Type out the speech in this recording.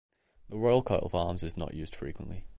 The royal coat of arms is not used frequently.